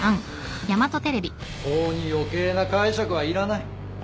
法に余計な解釈はいらない。